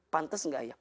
pantes gak ya